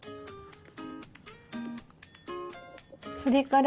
それから